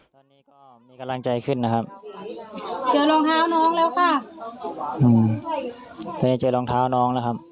ตอนนี้ก็มีกำลังใจขึ้นนะครับเจอรองเท้าน้องแล้วค่ะไม่ได้เจอรองเท้าน้องนะครับ